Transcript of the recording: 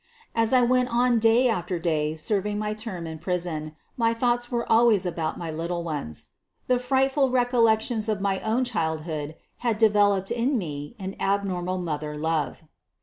As I went on day after day serving my term in prison my thoughts were always about my little ones. The frightful recollections of my own child hood had developed in me an abnormal mother love.